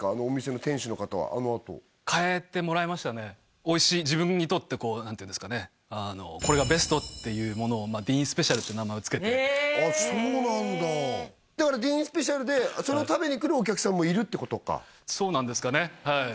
お店の店主の方はあのあとおいしい自分にとってこう何ていうんですかねっていうものを「ディーンスペシャル」って名前をつけてあっそうなんだだから「ディーンスペシャル」でそれを食べに来るお客さんもいるってことかそうなんですかね？